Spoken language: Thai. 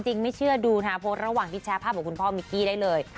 ไม่เชื่อดูนะฮะโพสต์ระหว่างที่แชร์ภาพของคุณพ่อมิกกี้ได้เลย